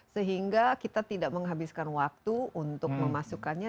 sehingga kita tidak menghabiskan waktu untuk memasukkannya